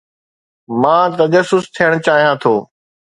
مان تجسس ٿيڻ چاهيان ٿو.